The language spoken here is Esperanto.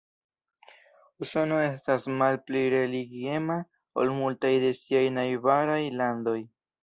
Usono estas malpli religiema ol multaj de siaj najbaraj landoj.